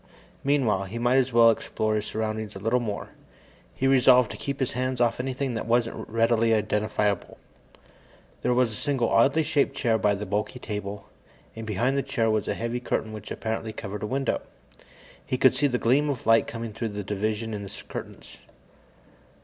Meanwhile, he might as well explore his surroundings a little more. He resolved to keep his hands off anything that wasn't readily identifiable. There was a single oddly shaped chair by the bulky table, and behind the chair was a heavy curtain which apparently covered a window. He could see a gleam of light coming through the division in the curtains.